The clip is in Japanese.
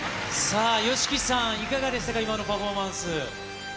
さあ、ＹＯＳＨＩＫＩさん、いかがでしたか、今のパフォーマンス。